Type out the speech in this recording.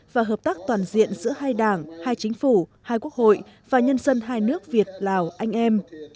và hợp tác toàn diện giữa hai đảng hai chính phủ hai quốc hội và nhân dân hai nước việt lào anh em